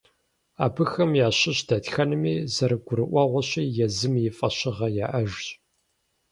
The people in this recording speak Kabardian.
Абыхэм ящыщ дэтхэнэми, зэрыгурыӀуэгъуэщи, езым я фӀэщыгъэ яӀэжщ.